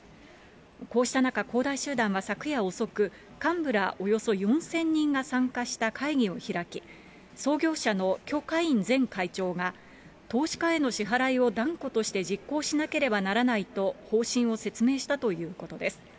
こうした中、恒大集団は昨夜遅く、幹部らおよそ４０００人が参加した会議を開き、創業者の許家印前会長が投資家への支払いを断固として実行しなければならないと、方針を説明したということです。